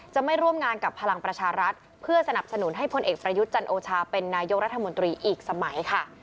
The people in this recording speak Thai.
จะไม่ร่วมงานกับพลังประชารัฐเพื่อสนับสนุนให้พลเอกประยุทธ์จันโอชาเป็นนายกรัฐมนตรีอีกสมัยค่ะ